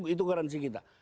itu garansi kita